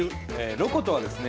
「ロコ」とはですね